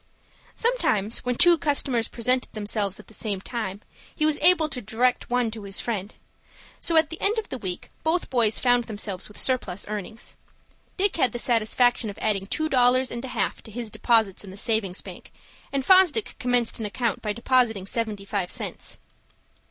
Sometimes, when two customers presented themselves at the same time, he was able to direct one to his friend. So at the end of the week both boys found themselves with surplus earnings. Dick had the satisfaction of adding two dollars and a half to his deposits in the Savings Bank, and Fosdick commenced an account by depositing seventy five cents.